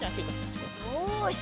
よし！